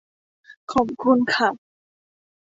ขอบคุณค่ะ